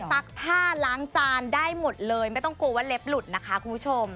ซักผ้าล้างจานได้หมดเลยไม่ต้องกลัวว่าเล็บหลุดนะคะคุณผู้ชม